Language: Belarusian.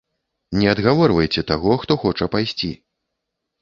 Не адгаворвайце таго, хто хоча пайсці.